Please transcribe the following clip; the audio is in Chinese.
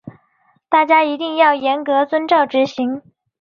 大家一定要严格遵照执行